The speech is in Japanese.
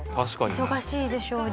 忙しいでしょうに。